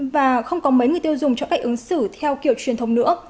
và không có mấy người tiêu dùng chọn cách ứng xử theo kiểu truyền thống nữa